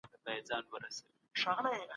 خو چي تېر سو تر اوبو وې کتل شاته